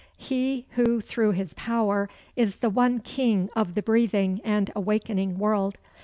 "He who, through his power, is the one king of the breathing and awakening world.